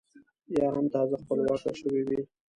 یا هم تازه خپلواکه شوې وي.